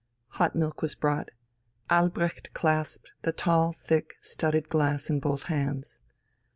Hot milk was brought. Albrecht clasped the tall, thick, studded glass in both hands.